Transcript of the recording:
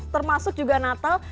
termasuk juga natal